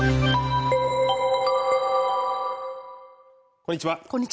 こんにちは